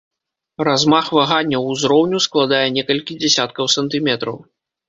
Размах ваганняў узроўню складае некалькі дзясяткаў сантыметраў.